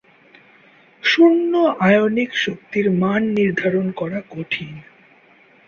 শূন্য আয়নিক শক্তির মান নির্ধারণ করা কঠিন।